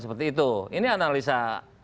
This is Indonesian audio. seperti itu ini analisa